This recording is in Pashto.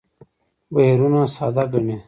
بهیرونه ساده ګڼي.